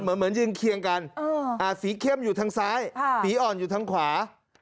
เหมือนยืนเคียงกันสีเข้มอยู่ทางซ้ายสีอ่อนอยู่ทางขวา